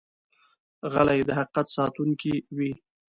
غلی، د حقیقت ساتونکی وي.